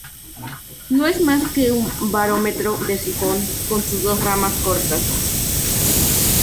No es más que un barómetro de sifón con sus dos ramas cortas.